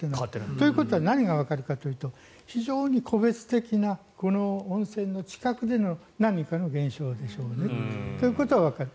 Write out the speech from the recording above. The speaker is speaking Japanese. ということは何がわかるかというと非常に個別的な温泉の近くでの何かの現象でしょうね。ということはわかる。